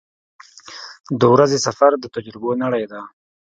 • د ورځې سفر د تجربو نړۍ ده.